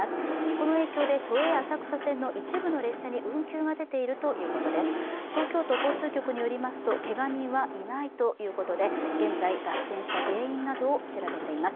この影響で都営浅草線の一部の列車で運休が出ているということです。